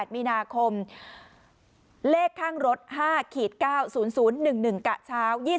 ๘มีนาคมเลขข้างรถ๕๙๐๐๑๑กะเช้า